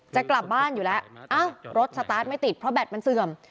จะกลับบ้านอยู่แล้วรถสตาร์ทไม่ติดเพราะแบตมันเสื่อม